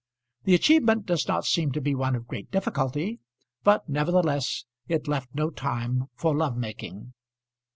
The achievement does not seem to be one of great difficulty, but nevertheless it left no time for lovemaking.